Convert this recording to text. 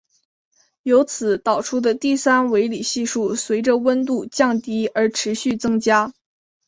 由此导出的第三维里系数随着温度降低而持续增加。